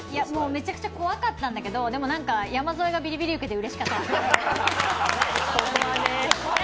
めちゃくちゃ怖かったんですけど、山添がビリビリ受けてうれしかった。